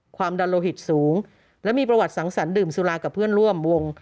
ความดันโลหิตสูงและมีประวัติสังสรรคดื่มสุรากับเพื่อนร่วมวง